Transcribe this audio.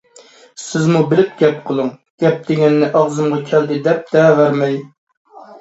سىزمۇ بىلىپ گەپ قىلىڭ! گەپ دېگەننى ئاغزىمغا كەلدى دەپ دەۋەرمەي!